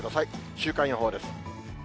週間予報です。